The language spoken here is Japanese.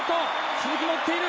鈴木も追っている！